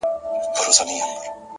خپل فکرونه د عمل لور ته بوځئ.!